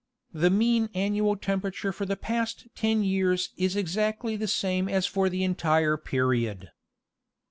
The mean annual temperature for the past ten years is exactly the same as for the entire period.